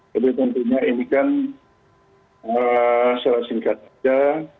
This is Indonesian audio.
jadi tentunya ini kan secara singkat saja